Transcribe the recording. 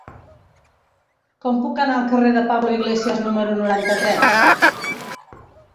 Com puc anar al carrer de Pablo Iglesias número noranta-tres?